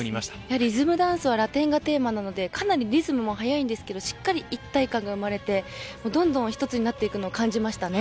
リズムダンスはラテンがテーマなのでかなりリズムも早いんですけどしっかり一体感が生まれてどんどん一つになっていくのを感じました。